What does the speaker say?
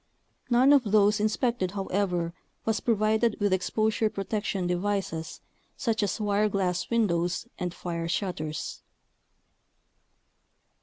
None of those inspected, however, was provided with exposure protection devices such as wire glass windows and fire shutters.